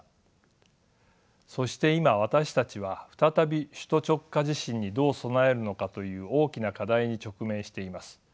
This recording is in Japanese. そして今私たちは再び首都直下地震にどう備えるのかという大きな課題に直面しています。